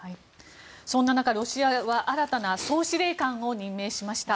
そんな中、ロシアは新たな総司令官を任命しました。